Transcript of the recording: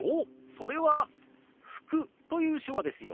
それは「服」という手話ですよ。